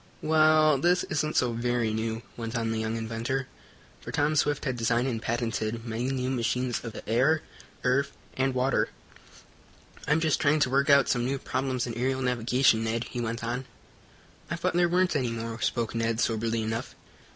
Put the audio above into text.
"Well, this isn't so very new," went on the young inventor, for Tom Swift had designed and patented many new machines of the air, earth and water. "I'm just trying to work out some new problems in aerial navigation, Ned," he went on. "I thought there weren't any more," spoke Ned, soberly enough.